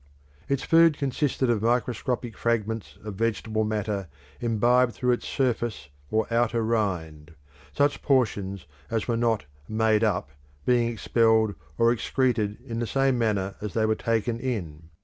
Its food consisted of microscopic fragments of vegetable matter imbibed through its surface or outer rind, such portions as were not "made up" being expelled or excreted in the same manner as they were taken in.